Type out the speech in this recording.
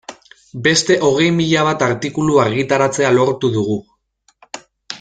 Beste hogei mila bat artikulu argitaratzea lortu dugu.